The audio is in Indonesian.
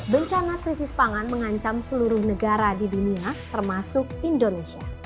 bencana krisis pangan mengancam seluruh negara di dunia termasuk indonesia